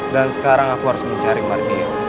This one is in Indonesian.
dan sekarang aku harus mencari mardian